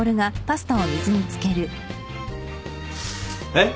えっ？